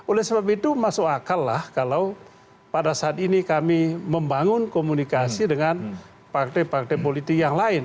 oleh sebab itu masuk akal lah kalau pada saat ini kami membangun komunikasi dengan partai partai politik yang lain